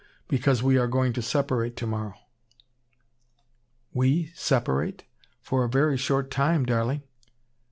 "Because we are going to separate to morrow." "We separate? For a very short time, darling."